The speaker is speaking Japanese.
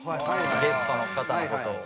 ゲストの方の事を。